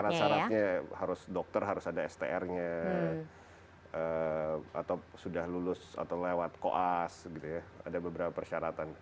syarat syaratnya harus dokter harus ada str nya atau sudah lulus atau lewat koas gitu ya ada beberapa persyaratan